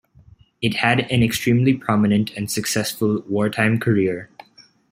It had an extremely prominent and successful war-time career.